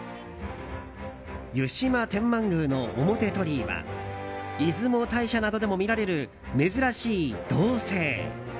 湯島天満宮の表鳥居は出雲大社などでも見られる珍しい銅製。